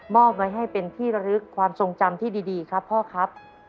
อบไว้ให้เป็นที่ระลึกความทรงจำที่ดีครับพ่อครับ